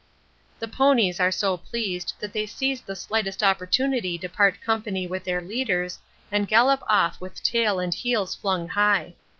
The ponies are so pleased that they seize the slightest opportunity to part company with their leaders and gallop off with tail and heels flung high.